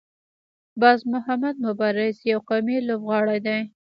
باز محمد مبارز یو قوي لوبغاړی دی.